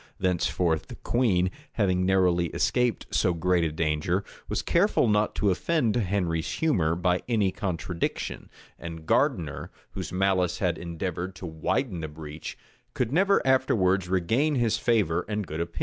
Thenceforth the queen, having narrowly escaped so great a danger, was careful not to offend Henry's humor by any contradiction; and Gardiner, whose malice had endeavored to widen the breach, could never afterwards regain his favor and good opinion.